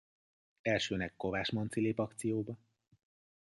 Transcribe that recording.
Elsőnek Kovács Manci lép akcióba.